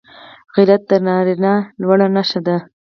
غیرت د نارینه لوړه نښه ده